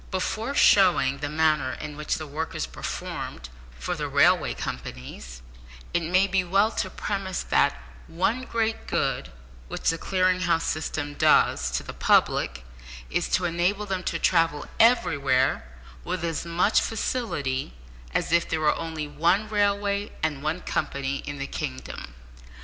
Before showing the manner in which the work is performed for the railway companies, it may be well to premise that one great good which the Clearing House system does to the public, is to enable them to travel everywhere with as much facility as if there were only one railway and one company in the kingdom.